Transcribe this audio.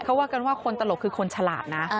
เขาว่ากันว่าคนตลกคือคนฉลาดนะ